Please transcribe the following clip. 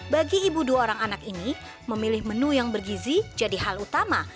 bagi ibu dua orang anak ini memilih menu yang bergizi jadi hal utama